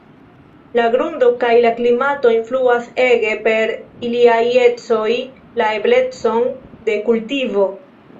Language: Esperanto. La grundo kaj la klimato influas ege per iliaj ecoj la eblecon de kultivo.